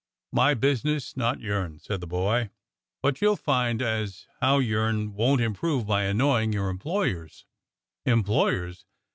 "My business, not yourn," said the boy. "But you'll find as how yourn won't improve by annoyin' your employers." "Employers.'